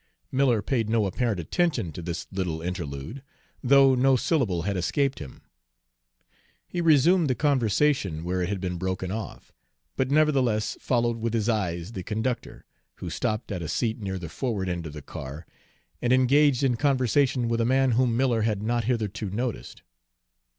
Miller paid no apparent attention to this little interlude, though no syllable had escaped him. He resumed the conversation where it had been broken off, but nevertheless followed with his eyes the conductor, who stopped at a seat near the forward end of the car, and engaged in conversation with a man whom Miller had not hitherto noticed.